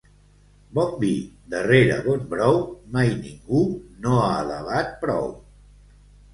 Bon vi darrere bon brou mai ningú no ha alabat prou.